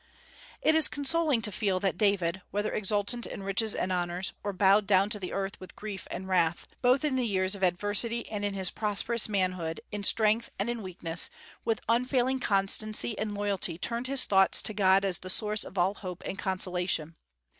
It is consoling to feel that David, whether exultant in riches and honors, or bowed down to the earth with grief and wrath, both in the years of adversity and in his prosperous manhood, in strength and in weakness, with unfailing constancy and loyalty turned his thoughts to God as the source of all hope and consolation.